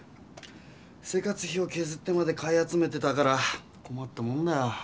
生活費をけずってまで買い集めてたからこまったもんだよ。